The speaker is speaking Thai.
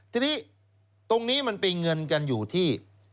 ทีนี้ตรงนี้มันเป็นเงินกันอยู่ที่